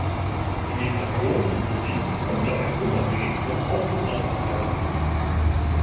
Animationen und Musik können dabei unabhängig vom Hauptprogramm ablaufen.